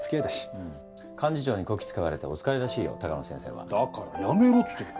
うん幹事長にこき使われてお疲れらしいよ鷹野先生は。だからやめろつってんだ。